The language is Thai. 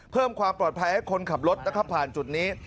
เพิ่มความปลอดภัยให้คนขับรถนะครับผ่านจุดนี้